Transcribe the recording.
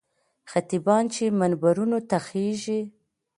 خطیبان چې منبرونو ته خېژي.